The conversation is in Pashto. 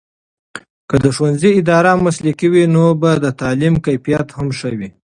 که د ښوونځي اداره مسلکي وي، نو به د تعلیم کیفیت هم ښه وي.